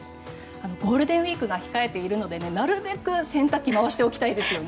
ゴールデンウィークが控えているのでなるべく洗濯機を回しておきたいですよね。